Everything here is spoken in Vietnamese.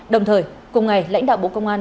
đồng thời cùng ngày lãnh đạo bộ công an